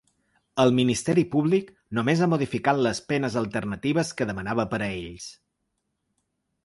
El ministeri públic només ha modificat les penes alternatives que demanava per a ells.